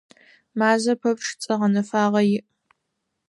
Мазэ пэпчъ цӏэ гъэнэфагъэ иӏ.